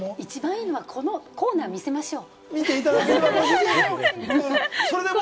一番いいのはこのコーナー見せましょう。